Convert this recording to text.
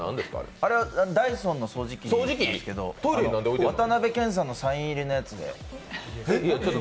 あれはダイソンの掃除機なんですけど、渡辺謙さんのサイン入りのやつで。